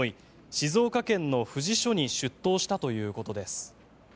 静岡県の富士署に出頭したということです。